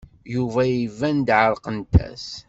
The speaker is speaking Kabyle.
Yuba iban-d ɛerqent-as.